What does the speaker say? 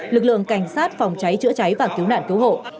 lực lượng cảnh sát phòng cháy chữa cháy và cứu nạn cứu hộ